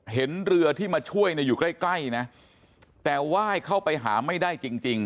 เห็นเรือที่มาช่วยเนี่ยอยู่ใกล้ใกล้นะแต่ว่ายเข้าไปหาไม่ได้จริงจริง